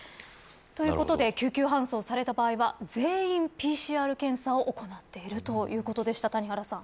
ということで救急搬送された場合は全員ＰＣＲ検査を行っているということでした。